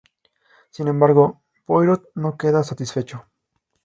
Sin embargo, Poirot no queda satisfecho.